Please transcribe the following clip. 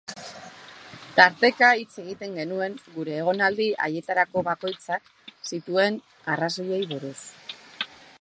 Tarteka hitz egiten genuen gure egonaldi haietarako bakoitzak zituen arrazoiei buruz.